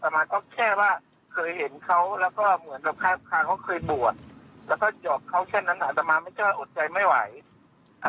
อัตมาก็อายุเจอหกสิบทีแล้วอัตมาเป็นโรคประหว่านทั้งความดันไขมันความดันเยอะแยะ